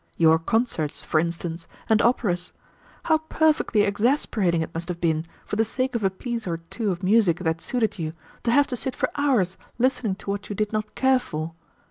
Your concerts, for instance, and operas! How perfectly exasperating it must have been, for the sake of a piece or two of music that suited you, to have to sit for hours listening to what you did not care for!